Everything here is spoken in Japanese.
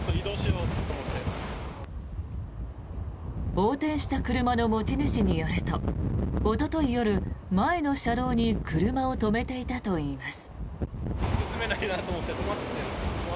横転した車の持ち主によるとおととい夜、前の車道に車を止めていたといいます。